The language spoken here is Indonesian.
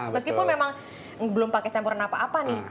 meskipun memang belum pakai campuran apa apa nih